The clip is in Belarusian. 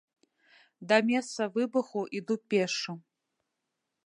Да месца выбуху іду пешшу.